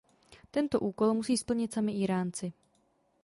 Tento úkol musí splnit sami Íránci.